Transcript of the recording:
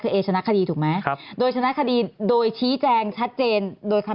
คือเอชนะคดีถูกไหมครับโดยชนะคดีโดยชี้แจงชัดเจนโดยคำ